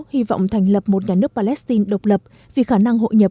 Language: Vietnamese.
hy vọng thành lập một nhà nước palestine độc lập vì khả năng hội nhập